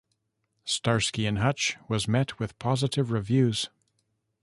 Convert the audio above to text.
"Starsky and Hutch" was met with positive reviews.